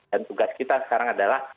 dan tugas kita sekarang adalah